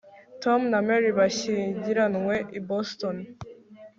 tom na mary bashyingiranywe i boston